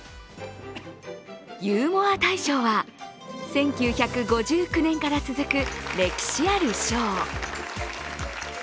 ゆうもあ大賞は、１９５９年から続く歴史ある賞。